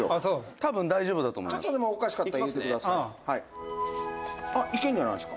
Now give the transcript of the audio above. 「多分、大丈夫だと思います」